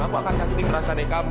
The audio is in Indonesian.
aku akan takutin perasaan dari kamu